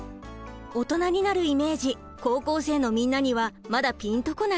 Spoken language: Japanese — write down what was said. オトナになるイメージ高校生のみんなにはまだピンとこない？